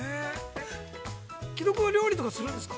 ◆木戸君は料理とかするんですか？